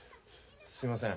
すいません。